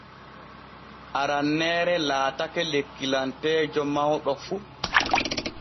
Aranneere laatake lekkilanteejo mawɗo fu.